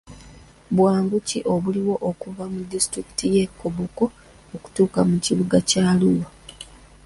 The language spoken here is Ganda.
Bwangu ki obuliwo okuva mu disitulikiti y'e Koboko okutuuka mu kibuga kya Arua?